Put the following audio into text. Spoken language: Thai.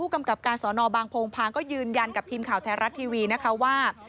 การสอนอบางโพงพางก็ยืนยันกับทีมข่าวไทยรัฐทีวีว่า